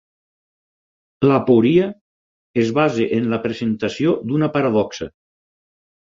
L'aporia es basa en la presentació d'una paradoxa.